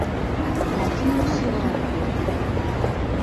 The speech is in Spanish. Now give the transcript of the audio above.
La Tour-sur-Orb